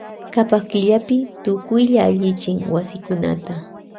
Kapak killapi tukuylla allichin wasikunata.